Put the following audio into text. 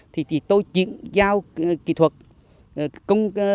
thì tôi chuyển giao kỹ thuật ứng những công dụng có giá trị